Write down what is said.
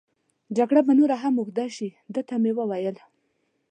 جګړه به نوره هم اوږد شي، ده ته مې وویل.